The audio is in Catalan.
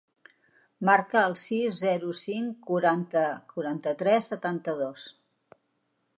Marca el sis, zero, cinc, quaranta, quaranta-tres, setanta-dos.